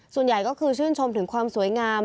ส่วนใหญ่ก็คือชื่นชมถึงความสวยงาม